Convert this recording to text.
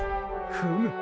フム。